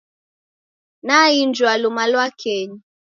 Naiinja luma lwa kesho.